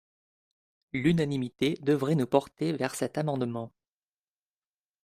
L’unanimité devrait nous porter vers cet amendement